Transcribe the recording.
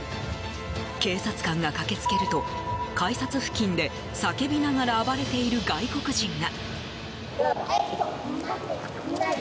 警察官が駆け付けると改札付近で叫びながら暴れている外国人が。